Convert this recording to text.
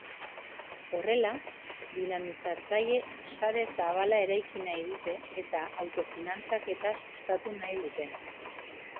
Horrela, dinamizatzaile sare zabala eraiki nahi dute eta autofinantzaketa sustatu nahi dute.